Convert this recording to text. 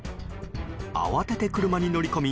慌てて車に乗り込み